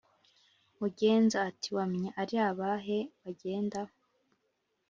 Mugenza ati"wamenya arabahe bagenda?"